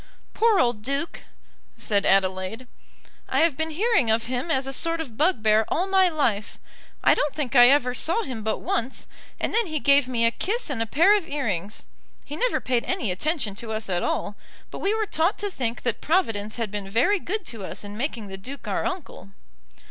"Poor old Duke!" said Adelaide. "I have been hearing of him as a sort of bugbear all my life. I don't think I ever saw him but once, and then he gave me a kiss and a pair of earrings. He never paid any attention to us at all, but we were taught to think that Providence had been very good to us in making the Duke our uncle."